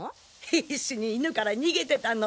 必死に犬から逃げてたの。